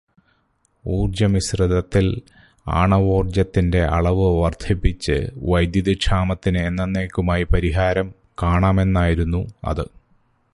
ഊർജമിശ്രിതത്തിൽ ആണവോർജത്തിന്റെ അളവ് വർധിപ്പിച്ച് വൈദ്യുതി ക്ഷാമത്തിന് എന്നന്നേക്കുമായി പരിഹാരം കാണാമെന്നായിരുന്നു അത്.